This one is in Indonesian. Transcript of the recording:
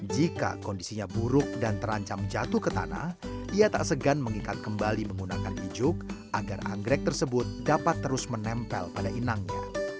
jika kondisinya buruk dan terancam jatuh ke tanah ia tak segan mengikat kembali menggunakan ijuk agar anggrek tersebut dapat terus menempel pada inangnya